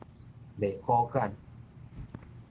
袂苟簡